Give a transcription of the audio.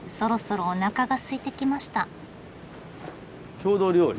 郷土料理